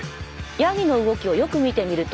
ヤギの動きをよく見てみると。